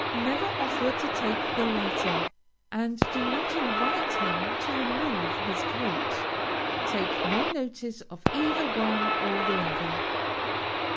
Never offer to take the latter, and do not invite him to remove his coat. Take no notice of either one or the other.